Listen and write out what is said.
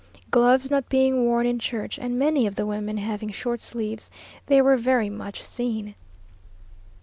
Gloves not being worn in church, and many of the women having short sleeves, they were very much seen.